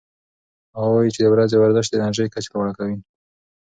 هغه وايي چې د ورځې ورزش د انرژۍ کچه لوړه کوي.